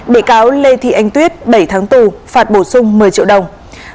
bị cáo lê thị anh tuyết bảy tháng tù phạt bổ sung một mươi triệu đồng